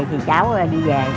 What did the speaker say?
thì cháu đi về